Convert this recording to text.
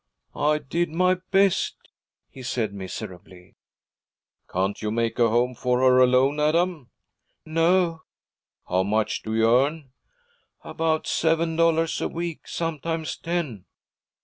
'I did my best,' he said miserably. 'Can't you make a home for her alone, Adam?' 'No.' 'How much do you earn?' 'About seven dollars a week. Sometimes ten.'